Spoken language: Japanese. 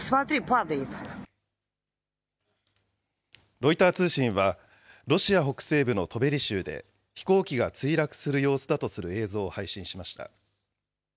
ロイター通信はロシア北西部のトベリ州で飛行機が墜落する様子だとする映像を配信しました。